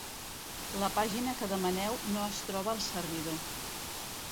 La pàgina que demaneu no es troba al servidor.